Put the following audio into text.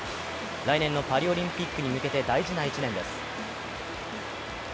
来年のパリオリンピックに向けて大事な１年です。